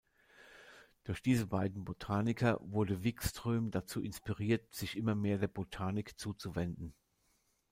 Durch diese beiden Botaniker wurde Wikström dazu inspiriert, sich immer mehr der Botanik zuzuwenden.